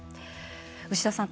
牛田さん